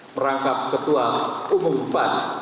merangkap ketua umum iv